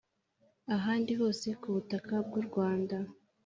ahandi hose ku butaka bw u Rwanda